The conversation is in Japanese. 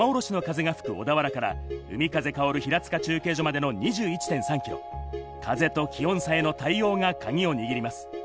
７区は山おろしの風が吹く大田原から海風かおる平塚中継所までの２１．３ｋｍ、風と気温差への対応がカギを握ります。